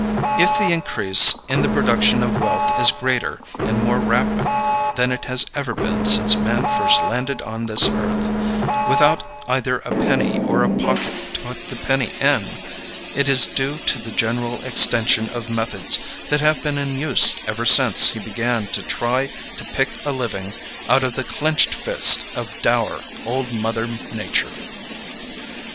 If the increase in the production of wealth is greater and more rapid than it has ever been since man first landed on this earth, without either a penny or a pocket to put the penny in, it is due to the general extension of methods that have been in use ever since he began to try to pick a living out of the clinched fist of dour old Mother Nature.